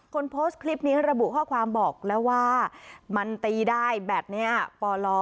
คนโพสต์คลิปนี้ระบุข้อความบอกแล้วว่ามันตีได้แบบนี้ปล